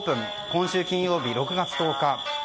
今週金曜日、６月１０日。